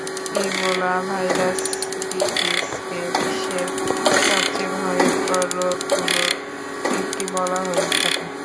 Ebola virus ডিজিজকে বিশ্বের সবচেয়ে ভয়ংকর রোগগুলোর একটি বলা হয়ে থাকে।